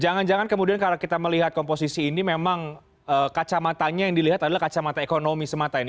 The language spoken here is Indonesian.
jangan jangan kemudian kalau kita melihat komposisi ini memang kacamatanya yang dilihat adalah kacamata ekonomi semata ini